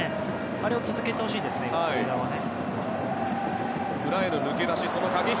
あれを続けてほしいですね上田はね。